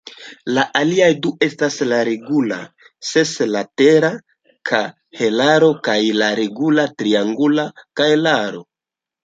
La aliaj du estas la regula seslatera kahelaro kaj la regula triangula kahelaro.